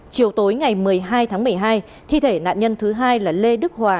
chiều tối ngày một mươi hai tháng một mươi hai thi thể nạn nhân thứ hai là lê đức hòa